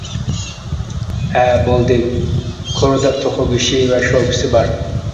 ھە بولدى، كورىدا توخۇ گۆشى ۋە شورپىسى بار.